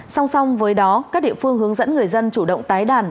song song với đó các địa phương hướng dẫn người dân chủ động tái đàn